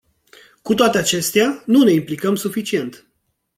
Cu toate acestea, nu ne implicăm suficient.